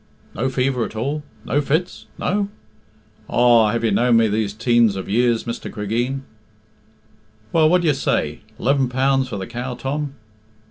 "No fever at all? No fits? No?" "Aw, have you known me these teens of years, Mr. Cregeen " "Well, what d'ye say eleven pounds for the cow, Tom!"